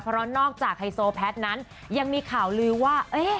เพราะนอกจากไฮโซแพทย์นั้นยังมีข่าวลือว่า